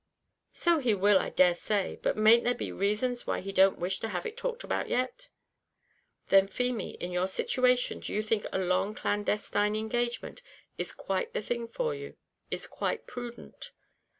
"So he will, I dare say; but mayn't there be rasons why he don't wish to have it talked about yet?" "Then, Feemy, in your situation, do you think a long clandestine engagement is quite the thing for you; is quite prudent?"